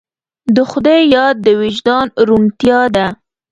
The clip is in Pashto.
د خدای یاد د وجدان روڼتیا ده.